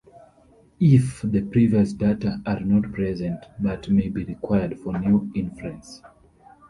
If the previous data are not present, but may be required for new inference.